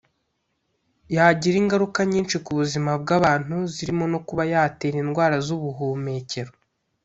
yagira ingaruka nyinshi ku buzima bw’abantu zirimo no kuba yatera indwara z’ubuhumekero